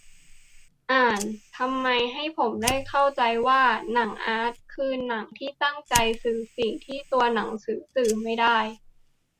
"อ่าน" ทำให้ผมได้เข้าใจว่า หนังอาร์ต คือหนังที่ตั้งใจสื่อในสิ่งที่ตัวหนังสือสื่อไม่ได้